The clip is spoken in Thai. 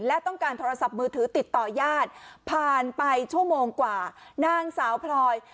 และต้องการโทรศัพท์มือถือติดต่อยาดผ่านไปชั่วโมงกว่านางสาวพลอย